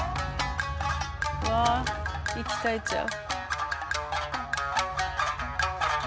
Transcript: うわ息絶えちゃう。